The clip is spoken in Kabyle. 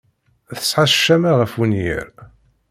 Tesɛa ccama ɣef wenyir.